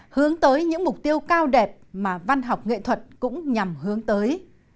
hướng tới những mục tiêu cao đẹp mà văn học nghệ thuật cũng nhằm hướng tới